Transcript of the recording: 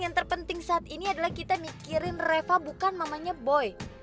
yang terpenting saat ini adalah kita mikirin reva bukan namanya boy